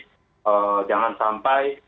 ee jangan sampai